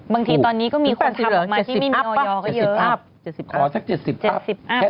บางทีตอนนี้ก็มีคนทำออกมาที่ไม่มากขอสัก๗๐อัพ